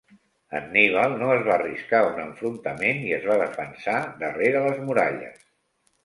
Anníbal no es va arriscar a un enfrontament i es va defensar darrere les muralles.